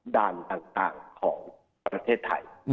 ด่านต่างของประเทศไทย